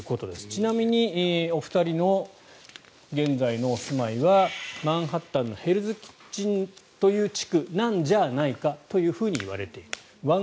ちなみにお二人の現在のお住まいはマンハッタンのヘルズ・キッチンという地区なんじゃないかといわれている。